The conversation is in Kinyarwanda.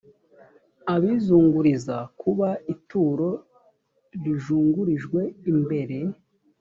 abizunguriza kuba ituro rijungurijwe imbere